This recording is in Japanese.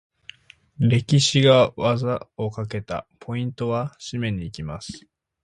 レシキが技をかけた！ポイントは？締めに行きます！